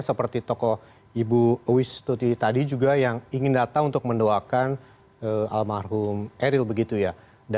seperti tokoh ibu wistuti tadi juga yang ingin datang untuk mendoakan almarhum eril begitu ya